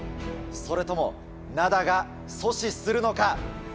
それとも灘が阻止するのか？